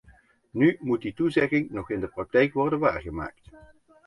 Nu moet die toezegging nog in de praktijk worden waargemaakt.